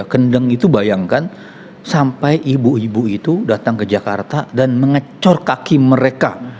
kendeng itu bayangkan sampai ibu ibu itu datang ke jakarta dan mengecor kaki mereka